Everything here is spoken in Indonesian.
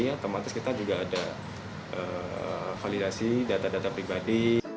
otomatis kita juga ada validasi data data pribadi